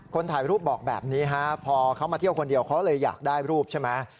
ถ่ายรูปบอกแบบนี้ฮะพอเขามาเที่ยวคนเดียวเขาเลยอยากได้รูปใช่ไหม